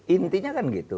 intinya kan gitu